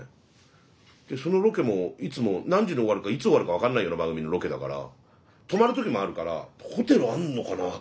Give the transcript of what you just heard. でそのロケもいつも何時に終わるかいつ終わるか分かんないような番組のロケだから泊まる時もあるからホテルあんのかなあとか。